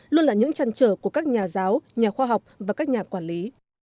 luôn là những trăn trở của các nhà giáo nhà khoa học và các nhà quản lý